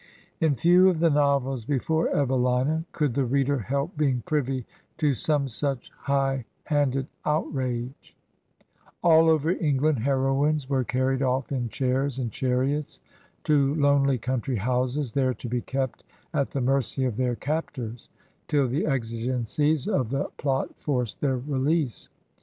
In few of the novels before '* Evelina '' could the reader help being privy to some such high handed outrage. 21 Digitized by VjOOQIC HEROINES OF FICTION All over England heroines were carried oflF in chairs and chariots to lonely country houses, there to be kept at the mercy of their captors till the exigencies of the plot forced their release.